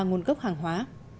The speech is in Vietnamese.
nguồn gốc hàng hóa